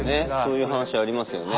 そういう話ありますよね。